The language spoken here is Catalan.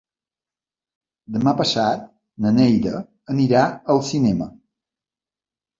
Demà passat na Neida anirà al cinema.